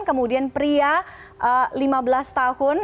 kemudian pria lima belas tahun